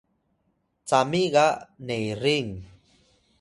cami ga nerin